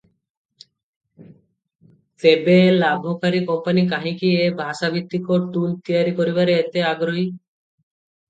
ତେବେ ଏକ ଲାଭକାରୀ କମ୍ପାନି କାହିଁକି ଏ ଭାଷାଭିତ୍ତିକ ଟୁଲ ତିଆରି କରିବାରେ ଏତେ ଆଗ୍ରହୀ?